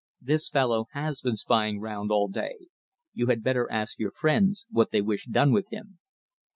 "This fellow has been spying round all day. You had better ask your friends what they wish done with him."